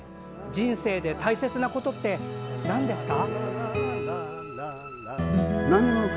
人生で大切なことってなんですか？